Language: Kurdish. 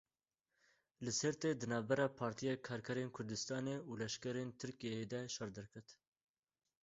Li Sêrtê di navbera Partiya Karkerên Kurdistanê û leşkerên Tirkiyeyê de şer derket.